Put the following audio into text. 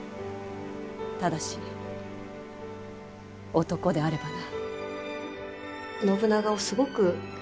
ただし男であればな。